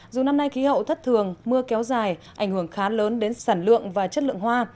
dù năm nay khí hậu thất thường mưa kéo dài ảnh hưởng khá lớn đến sản lượng và chất lượng hoa